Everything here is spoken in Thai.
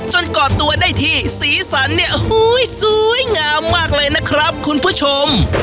ก่อตัวได้ที่สีสันเนี่ยโอ้โหสวยงามมากเลยนะครับคุณผู้ชม